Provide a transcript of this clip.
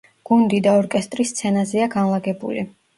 გუნდი და ორკესტრი სცენაზეა განლაგებული.